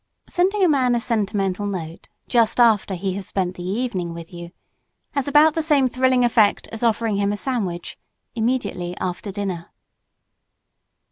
Sending a man a sentimental note, just after he has spent the evening with you, has about the same thrilling effect as offering him a sandwich, immediately after dinner.